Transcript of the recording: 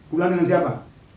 pulang dengan siapa